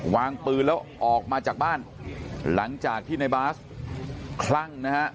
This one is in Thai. วางปืนแล้วออกมาจากบ้านหลังจากที่ในบาสคลั่งนะฮะ